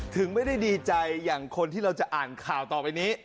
ถึงไม่ได้ดีใจอย่างคนที่เราจะอ่านข่าวต่อไปนี้